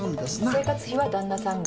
生活費は旦那さんが。